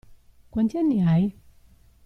Quanti anni hai?